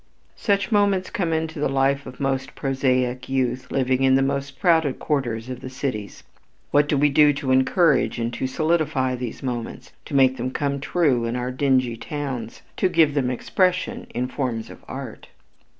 Such moments come into the life of the most prosaic youth living in the most crowded quarters of the cities. What do we do to encourage and to solidify those moments, to make them come true in our dingy towns, to give them expression in forms of art?